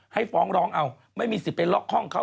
ฟ้องร้องเอาไม่มีสิทธิ์ไปล็อกห้องเขา